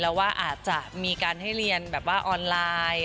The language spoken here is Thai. แล้วว่าอาจจะมีการให้เรียนแบบว่าออนไลน์